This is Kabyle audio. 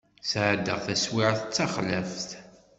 Sεeddaɣ taswiεt d taxlaft.